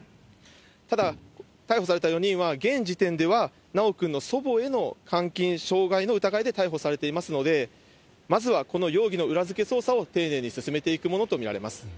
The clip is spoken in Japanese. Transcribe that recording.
ただ、逮捕された４人は現時点では、修くんの祖母への監禁・傷害の疑いで逮捕されていますので、まずはこの容疑の裏付け捜査を丁寧に進めていくものと見られます。